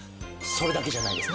それだけじゃないんです。